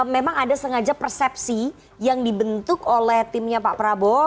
memang ada sengaja persepsi yang dibentuk oleh timnya pak prabowo